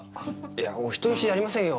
いやお人好しじゃありませんよ。